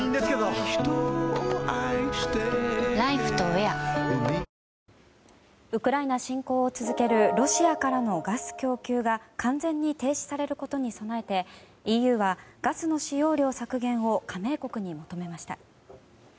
ウクライナ侵攻を続けるロシアからのガス供給が完全に停止されることに備えてＥＵはガスの使用量削減を加盟国に認めました。